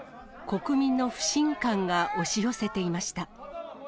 国民の不信感が押し寄せていました。